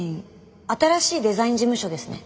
新しいデザイン事務所ですね？